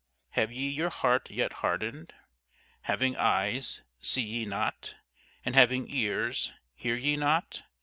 have ye your heart yet hardened? Having eyes, see ye not? and having ears, hear ye not?